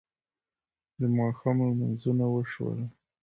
د ماښام لمونځونه وشول.